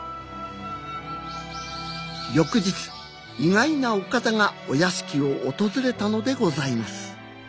翌日意外なお方がお屋敷を訪れたのでございます